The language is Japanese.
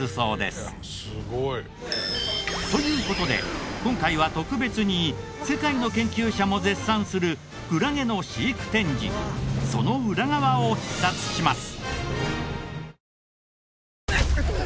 すごい。という事で今回は特別に世界の研究者も絶賛するクラゲの飼育展示その裏側を視察します。